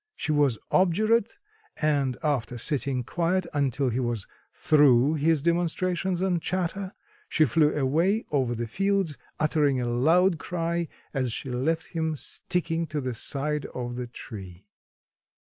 She was obdurate, and, after sitting quiet until he was through his demonstrations and chatter, she flew away over the fields, uttering a loud cry as she left him sticking to the side of the tree.